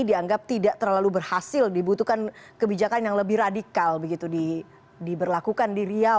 dianggap tidak terlalu berhasil dibutuhkan kebijakan yang lebih radikal begitu diberlakukan di riau